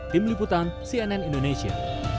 tim liputan cnn indonesia